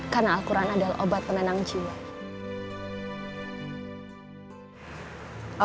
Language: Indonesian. karena al quran adalah obat penenang jiwa